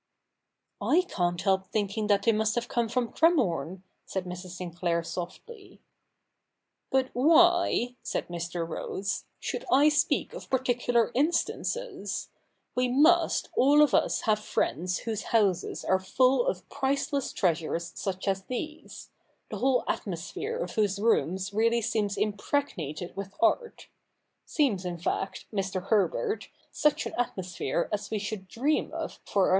'/ can't help thinking they must have come from Cremorne,' said Mrs. Sinclair softly. ' But why/ said Mr. Rose, ' should I speak of particular instances ? We pws/ all of us have friends whose houses are full of priceless treasures such as these — the whole atmosphere of whose rooms really seems impregnated with art — seems in fact, Mr. Herbert, such an atmo sphere as we should dream of for our new Republic' CH.